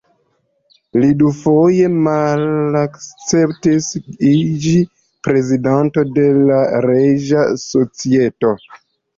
Li dufoje malakceptis iĝi Prezidanto de la Reĝa Societo.